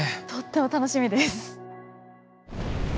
とっても楽しみです。